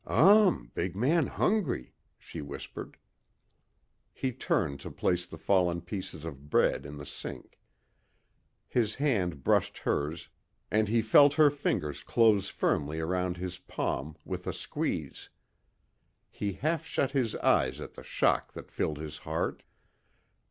"Um ... big man hungry," she whispered. He turned to place the fallen pieces of bread in the sink. His hand brushed hers and he felt her fingers close firmly around his palm with a squeeze. He half shut his eyes at the shock that filled his heart.